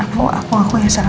aku aku yang salah